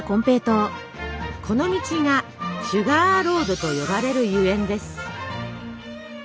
この道が「シュガーロード」と呼ばれるゆえんです。